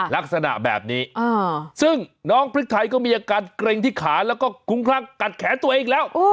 ลักษณะแบบนี้ซึ่งน้องพริกไทยก็มีอาการเกร็งที่ขาแล้วก็คุ้มคลั่งกัดแขนตัวเองอีกแล้ว